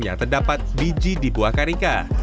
yang terdapat biji di buah karika